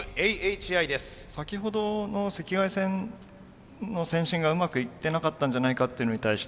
先ほどの赤外線のセンシングがうまくいってなかったんじゃないかっていうのに対して。